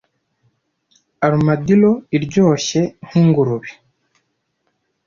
Armadillo iryoshye nki Ingurube